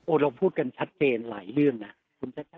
เราพูดกันชัดเจนหลายเรื่องนะ